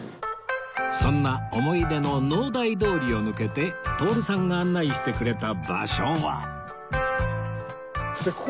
そんな思い出の農大通りを抜けて徹さんが案内してくれた場所は